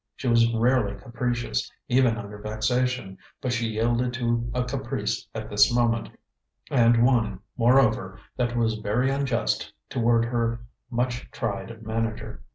She was rarely capricious, even under vexation, but she yielded to a caprice at this moment, and one, moreover, that was very unjust toward her much tried manager.